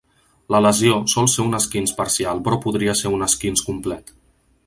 La lesió sol ser un esquinç parcial però podria ser un esquinç complet.